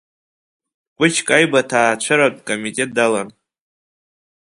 Кәычка Аиба аҭаацәаратә комитет далан.